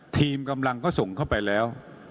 ทีมกำลังก็ส่งเข้าไปแล้ว